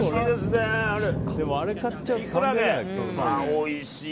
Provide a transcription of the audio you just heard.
おいしい。